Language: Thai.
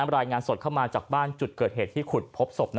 รายงานสดเข้ามาจากบ้านจุดเกิดเหตุที่ขุดพบศพ